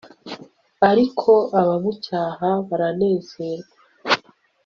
ariko abamucyaha baranezerwa